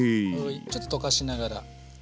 ちょっと溶かしながら。